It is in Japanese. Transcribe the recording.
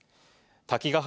滝ヶ原